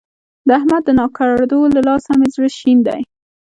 د احمد د ناکړدو له لاسه مې زړه شين دی.